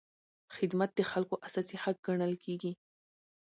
خدمت د خلکو اساسي حق ګڼل کېږي.